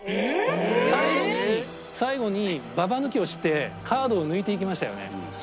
最後に最後にババ抜きをしてカードを抜いていきましたよね。